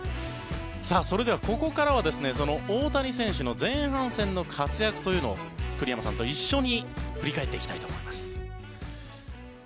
それでは、ここからは大谷選手の前半戦の活躍というのを栗山さんと一緒に振り返っていきたいと思います。